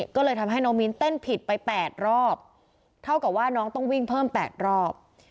ก็เลยทำให้น้องมิ้นเต้นผิดไป๘รอบเท่ากับว่าน้องต้องวิ่งเพิ่ม๘รอบ